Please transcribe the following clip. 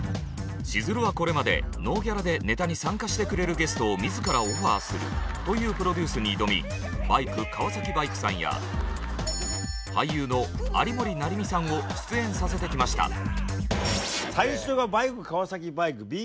しずるはこれまでノーギャラでネタに参加してくれるゲストを自らオファーするというプロデュースに挑みバイク川崎バイクさんや俳優の有森也実さんを出演させてきました。